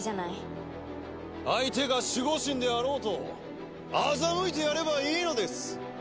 相手が守護神であろうと欺いてやればいいのです。